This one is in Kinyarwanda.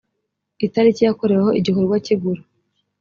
i itariki yakoreweho igikorwa cy igura